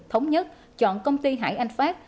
thống nhất chọn công ty hải anh phát